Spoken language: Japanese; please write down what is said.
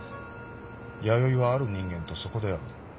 弥生はある人間とそこで会う。